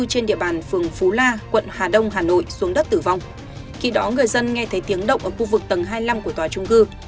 hà đông hà nội xuống đất tử vong khi đó người dân nghe thấy tiếng động ở khu vực tầng hai mươi năm của tòa trung cư